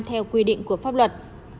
theo quy định của pháp luật